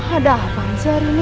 ada apaan saya hari ini